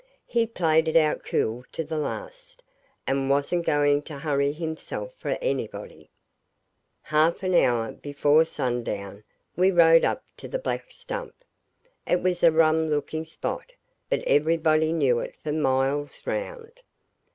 He played it out cool to the last, and wasn't going to hurry himself for anybody. Half an hour before sundown we rode up to the Black Stump. It was a rum looking spot, but everybody knew it for miles round.